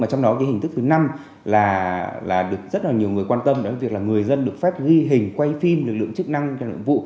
trong đó hình thức thứ năm là được rất nhiều người quan tâm là việc người dân được phép ghi hình quay phim lực lượng chức năng trong nhiệm vụ